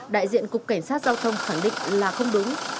đại diện cục cảnh sát giao thông khẳng định là không đúng